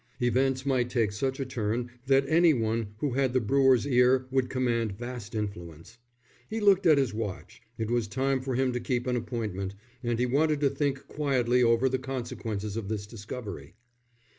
Events might take such a turn that any one who had the brewer's ear would command vast influence. He looked at his watch. It was time for him to keep an appointment, and he wanted to think quietly over the consequences of this discovery.